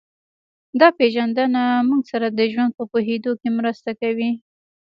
دا پېژندنه موږ سره د ژوند په پوهېدو کې مرسته کوي